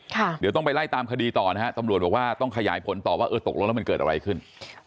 เดี๋ยวต้องไปไล่ตามคดีต่อนะฮะตำรวจบอกว่าต้องขยายผลต่อว่าเออตกลงแล้วมันเกิดอะไรขึ้น